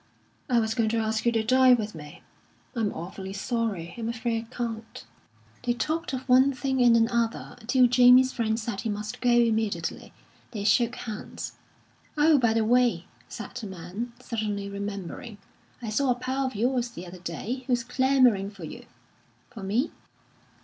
"I was going to ask you to dine with me." "I'm awfully sorry! I'm afraid I can't." They talked of one thing and another, till Jamie's friend said he must go immediately; they shook hands. "Oh, by the way," said the man, suddenly remembering, "I saw a pal of yours the other day, who's clamouring for you." "For me?"